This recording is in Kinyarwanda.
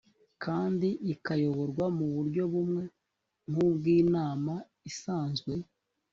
kandi ikayoborwa mu buryo bumwe nk’ubw’inama isanzwe